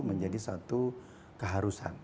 menjadi satu keharusan